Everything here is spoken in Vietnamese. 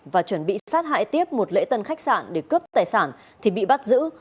và chuẩn bị sát hại tiếp một lễ tân khách sạn để cướp tài sản thì bị bắt giữ